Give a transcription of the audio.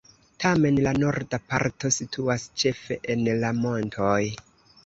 Tamen la norda parto situas ĉefe en la montoj.